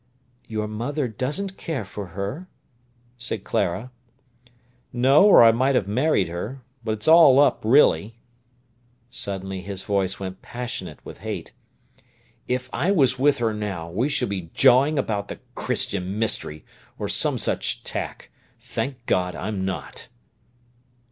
"Your mother doesn't care for her," said Clara. "No, or I might have married her. But it's all up really!" Suddenly his voice went passionate with hate. "If I was with her now, we should be jawing about the 'Christian Mystery', or some such tack. Thank God, I'm not!"